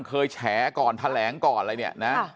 เคยแฉก่อนแถลงก่อนเลยเนี่ยนะ